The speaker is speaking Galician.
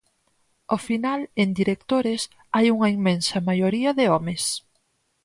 Ao final en directores, hai unha inmensa maioría de homes.